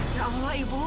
ya allah ibu